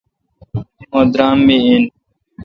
مہ درام می این